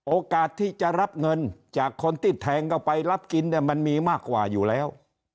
โอกาสที่จะรับเงินจากคนที่แทงเข้าไปรับกินเนี่ยมันมีมากกว่าอยู่แล้ว